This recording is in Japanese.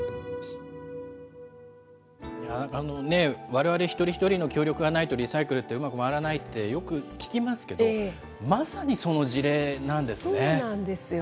われわれ、一人一人の協力がないと、リサイクルってうまく回らないって、よく聞きますけど、そうなんですよね。